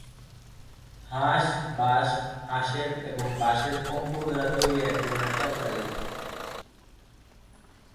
হাঁস-বাশ হাঁসের এবং বাঁশের অঙ্কুর দ্বারা তৈরি এক ধরণের তরকারি।